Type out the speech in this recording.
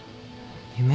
夢？